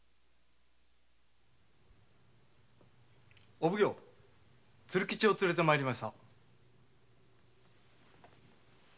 ・お奉行鶴吉を連れて参りました。